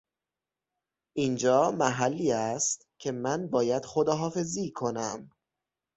اینجا محلی است که من باید خداحافظی کنم.